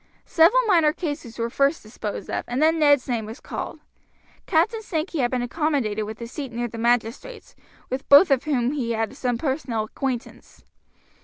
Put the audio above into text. Several minor cases were first disposed of, and then Ned's name was called. Captain Sankey had been accommodated with a seat near the magistrates, with both of whom he had some personal acquaintance.